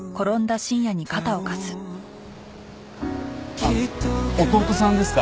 あっ弟さんですか？